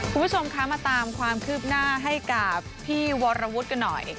คุณผู้ชมคะมาตามความคืบหน้าให้กับพี่วรวุฒิกันหน่อย